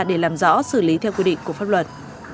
để làm rõ xử lý theo quy định của pháp luật